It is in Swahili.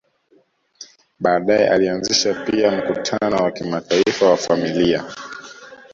Baadae alianzisha pia mkutano wa kimataifa wa familia